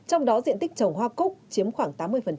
trong đó diện tích trồng hoa cúc chiếm khoảng tám mươi